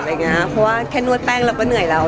เพราะว่าแค่นวดแป้งเราก็เหนื่อยแล้ว